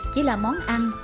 chỉ là món ăn